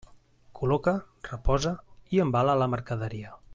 Col·loca, reposa i embala la mercaderia.